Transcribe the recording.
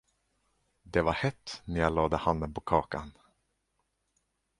Det var hett när jag lade handen på kakan.